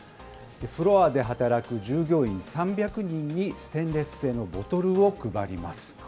フロアで働く従業員３００人に、ステンレス製のボトルを配ります。